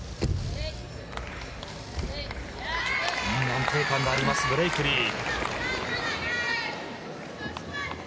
安定感がありますブレイクリー。